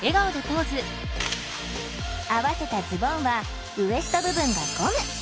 合わせたズボンはウエスト部分がゴム。